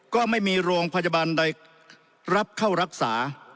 ก็ไม่มีโรงพยาบาลใดรับเข้ารักษา